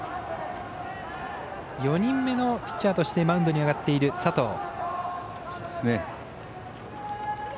４人目のピッチャーとしてマウンドに上がっている佐藤。